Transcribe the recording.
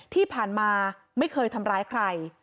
ที่ผ่านมาไม่เคยทำร้ายใคร